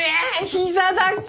膝だっこ！